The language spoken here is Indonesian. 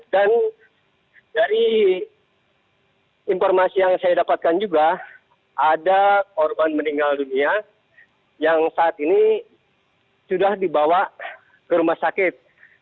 dan dari informasi yang saya dapatkan juga ada korban meninggal dunia yang saat ini sudah dibawa ke rumah sakit